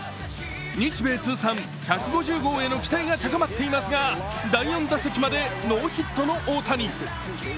日米通算１５０号への期待が高まっていますが第４打席までノーヒットの大谷。